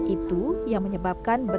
itu yang menyebabkan kelelahan tubuhnya